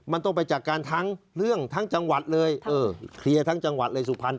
มันต้องไปจัดการทั้งเรื่องทั้งจังหวัดเลยเออเคลียร์ทั้งจังหวัดเลยสุพรรณ